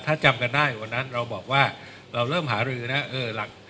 ถ้าจำกันได้วันนั้นเราบอกว่าเราเริ่มหารือนะ